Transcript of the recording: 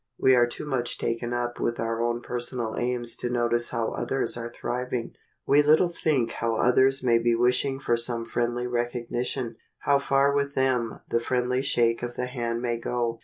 We are too much taken up with our own personal aims to notice how others are thriving. We little think how others may be wishing for some friendly recognition, how far with them the friendly shake of the hand may go.